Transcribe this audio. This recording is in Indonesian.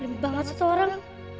lebih banget seseorang